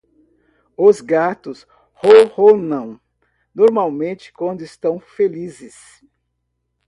Os gatos ronronam normalmente quando estão felizes.